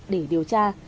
để điều tra